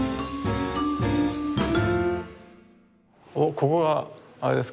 ここがあれですか？